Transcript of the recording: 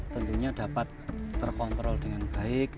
tentunya dapat terkontrol dengan baik